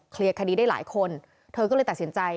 คดีได้หลายคนเธอก็เลยตัดสินใจ